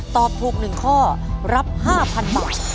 ตอบถูก๑ข้อรับ๕๐๐๐บาท